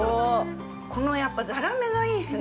◆このやっぱザラメがいいっすね。